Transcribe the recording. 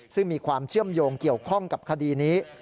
ซึ่งมีความเชื่อมโยงเกี่ยวข้องกับคดีนี้